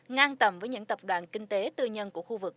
ngang tầm với những tập đoàn kinh tế tư nhân của khu vực